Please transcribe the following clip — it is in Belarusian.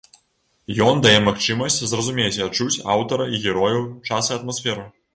Ён дае магчымасць зразумець і адчуць аўтара і герояў, час і атмасферу.